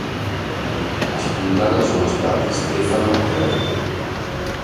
A spuntarla sono stati Stefano e Red.